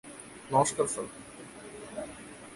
নমস্কার, স্যার।